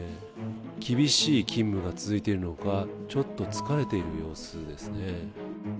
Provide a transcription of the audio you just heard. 厳しい勤務が続いているのか、ちょっと疲れている様子ですね。